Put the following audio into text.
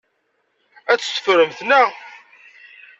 Ad tt-teffremt, naɣ?